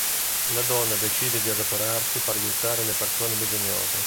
La donna decide di adoperarsi per aiutare le persone bisognose.